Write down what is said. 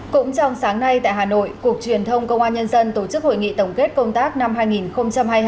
cũng trong sáng nay tại hà nội cục truyền thông công an nhân dân tổ chức hội nghị tổng kết công tác năm hai nghìn hai mươi hai